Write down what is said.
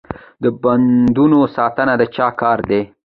د بندونو ساتنه د چا کار دی؟